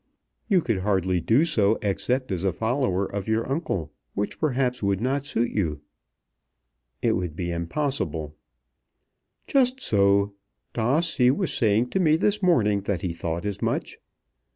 You could hardly do so except as a follower of your uncle, which perhaps would not suit you." "It would be impossible." "Just so. D'Ossi was saying to me this morning that he thought as much.